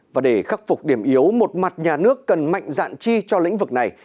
và để khắc phục điểm yếu một mặt nhà nước cần mạnh dạn chi cho lĩnh vực này